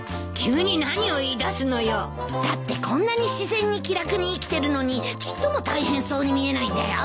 だってこんなに自然に気楽に生きてるのにちっとも大変そうに見えないんだよ。